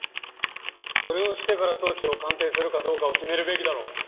それをしてから装置を鑑定するかどうかを決めるべきだろう。